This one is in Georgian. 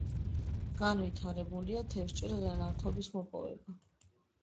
განვითარებულია თევზჭერა და ნავთობის მოპოვება.